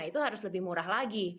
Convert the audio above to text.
itu harus lebih murah lagi